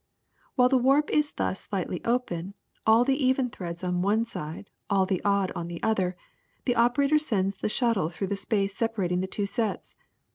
*^ While the warp is thus slightly open, all the even threads on one side, all the odd on the other, the operator sends the shuttle through the space separat ing the two sets.